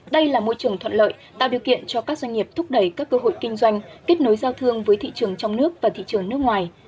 đây là môi trường thuận lợi tạo điều kiện cho các doanh nghiệp thúc đẩy các cơ hội kinh doanh kết nối giao thương với thị trường trong nước và thị trường nước ngoài